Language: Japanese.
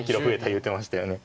言うてましたよね。